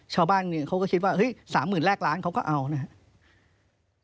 ชาวบ้านเขาก็คิดว่าเฮ้ยสามหมื่นแรกล้านเขาก็เอานะครับ